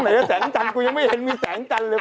แสงจันทร์กูยังไม่เห็นมีแสงจันทร์เลย